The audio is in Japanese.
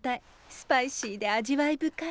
スパイシーで味わい深い。